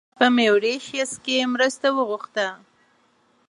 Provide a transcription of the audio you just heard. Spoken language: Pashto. په میوریشیس کې مرسته وغوښته.